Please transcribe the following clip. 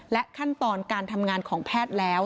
ขั้นตอนการทำงานของแพทย์แล้ว